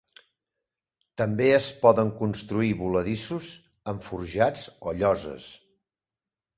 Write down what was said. També es poden construir voladissos amb forjats o lloses.